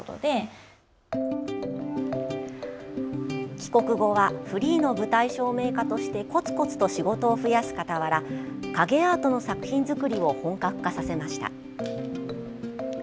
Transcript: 帰国後はフリーの舞台照明家としてコツコツと仕事を増やすかたわら影アートの作品作りを本格化させました。